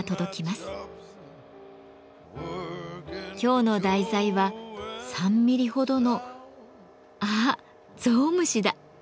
今日の題材は３ミリほどのあっゾウムシだ。